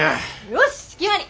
よし決まり。